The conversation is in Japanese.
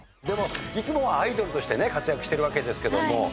でもいつもはアイドルとしてね活躍してるわけですけども。